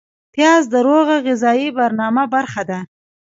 پیاز د روغه غذایي برنامه برخه ده